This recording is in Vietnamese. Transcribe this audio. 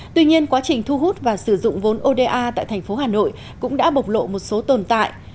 tuy nhiên quá trình thu hút và sử dụng vốn oda tại thành phố hà nội cũng đã bộc lộ một số tồn tại